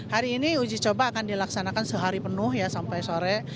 hari ini uji coba akan dilaksanakan sehari penuh ya sampai sore